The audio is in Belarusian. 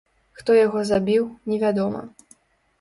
Хто яго забіў, невядома.